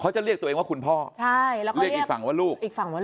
เขาจะเรียกตัวเองว่าคุณพ่อเรียกอีกฝั่งว่าลูก